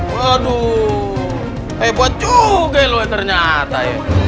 waduh hebat juga loh ternyata